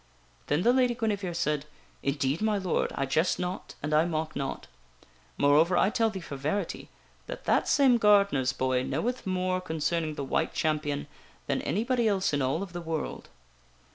" Then the Lady Guinevere said: "Indeed, my Lord! I jest not and I mock not. Moreover, I tell thee for verity that that same gardener's boy knoweth more concerning the White Champion than anybody else in all of the world."